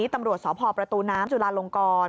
ตำรวจสพประตูน้ำจุลาลงกร